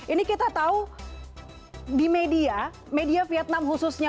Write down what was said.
ini kita tahu di media media vietnam khususnya